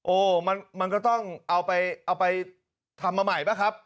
โอ้มันก็ต้องเอาไปทำมาใหม่ป่ะครับ